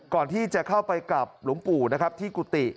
ก่อนที่จะเข้าไปกลับหลวงปู่นะครับที่กุฏิ